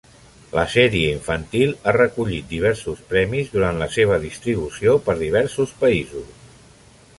La sèrie infantil ha recollit diversos premis durant la seva distribució per diversos països.